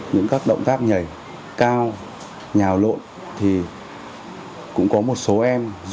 những các động tác nhảy cao nhào lộn thì cũng có một số em run sợ và ngã